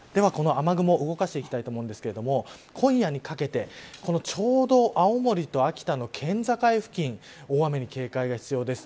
雨雲を動かしていきますが今夜にかけて、ちょうど青森と秋秋田の県境付近大雨に警戒が必要です。